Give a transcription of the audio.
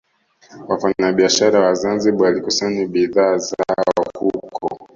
Wafanyabiashara wa Zanzibar walikusanya bidhaa zao huko